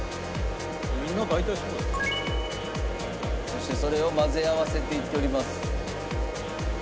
そしてそれを混ぜ合わせていっております。